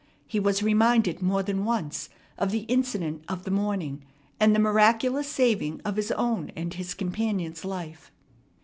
He was reminded more than once of the incident of the morning and the miraculous saving of his own and his companion's life.